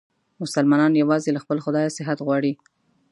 مسلمانان یووازې له خپل خدایه صحت غواړي.